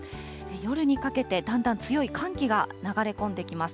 夜にかけてだんだん強い寒気が流れ込んできます。